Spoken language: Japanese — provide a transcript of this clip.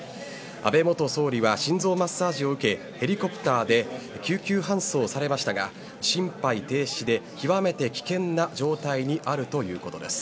安倍元総理は心臓マッサージを受けヘリコプターで救急搬送されましたが心肺停止で極めて危険な状態にあるということです。